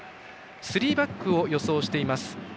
スリーバックを予想しています。